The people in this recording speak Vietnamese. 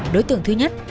đối tượng thứ nhất